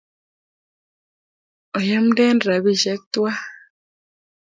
oyemden robisiek tuwai